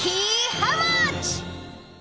ハウマッチ。